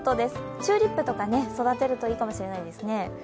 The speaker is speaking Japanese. チューリップとか育てるといいかもしれないですね。